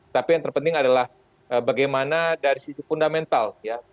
tapi yang terpenting adalah bagaimana dari sisi fundamental